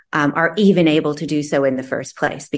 bahkan bisa melakukannya di awal